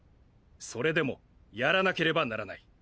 それでもやらなければならない。